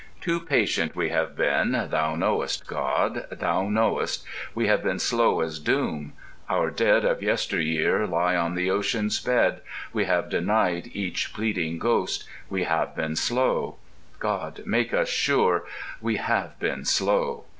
Too patient we have been, thou knowest, God, thou knowest. We have been slow as doom. Our dead Of yesteryear lie on the ocean's bed— We have denied each pleading ghost— We have been slow: God, make us sure. We have been slow.